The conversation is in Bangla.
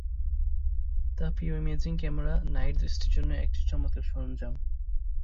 তাপীয় ইমেজিং ক্যামেরা নাইট দৃষ্টি জন্য একটি চমৎকার সরঞ্জাম।